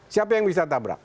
siapa yang bisa tabrak